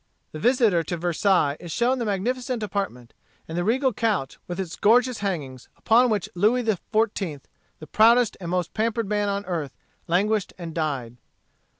The visitor to Versailles is shown the magnificent apartment, and the regal couch, with its gorgeous hangings, upon which Louis XIV., the proudest and most pampered man on earth, languished and died.